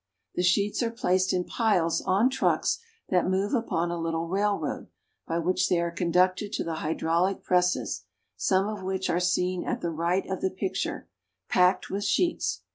The sheets are placed in piles on trucks, that move upon a little railroad, by which they are conducted to the hydraulic presses, some of which are seen at the right of the picture, packed with sheets.